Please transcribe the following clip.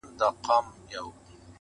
ښکلی یې قد و قامت وو ډېر بې حده حسندار,